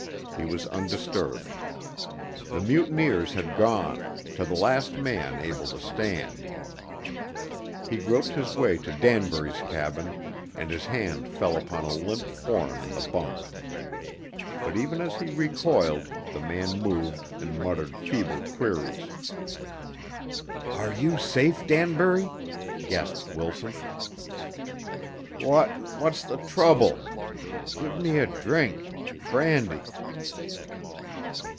He was undisturbed. The mutineers had gone, to the last man able to stand. He groped his way to Danbury's cabin and his hand fell upon a limp form in the bunk. But even as he recoiled the man moved and muttered feeble queries. "Are you safe, Danbury?" gasped Wilson. "What what's the trouble? Give me a drink brandy."